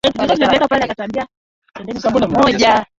Wakati wake Mungu si kama binadamu.